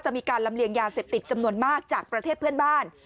มีการลำเลียงยาเสพติดจำนวนมากจากประเทศเพื่อนบ้าน